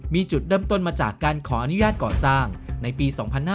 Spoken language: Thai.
มีจุดเริ่มต้นมาจากการขออนุญาตก่อสร้างในปี๒๕๕๙